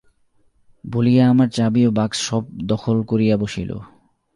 বলিয়া আমার চাবি ও বাক্স সব দখল করিয়া বসিল।